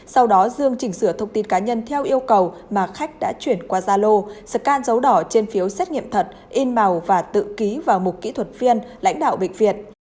sau đó dương chỉnh sửa thông tin cá nhân theo yêu cầu mà khách đã chuyển qua gia lô scan dấu đỏ trên phiếu xét nghiệm thật in màu và tự ký vào mục kỹ thuật viên lãnh đạo bệnh viện